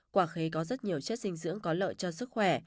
quả khí có rất nhiều chất dinh dưỡng có lợi cho sức khỏe